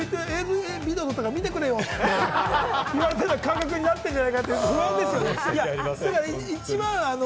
ビデオ撮ったから見てくれよ！って言われてるような感覚になってるんじゃないかって、不安ですよね。